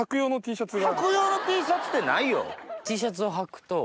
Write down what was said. はく用のＴシャツってないよ。